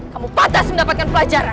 kamu patas mendapatkan pelajaran